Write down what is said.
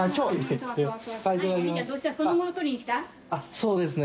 △そうですね。